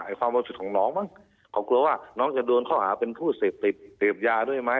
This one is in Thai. ความบริสุทธิ์ของน้องมั้งเขากลัวว่าน้องจะโดนข้อหาเป็นผู้เสพติดเสพยาด้วยไหม